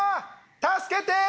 助けてー！